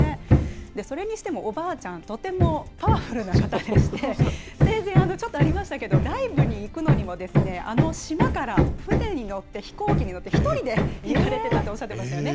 それにしてもおばあちゃん、とてもパワフルな方でして、生前、ちょっとありましたけど、ライブに行くのにも、あの島から船に乗って、飛行機に乗って、１人で行かれてたとおっしゃってましたよね。